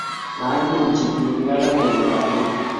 maimuchi tibik alak konyoru robinik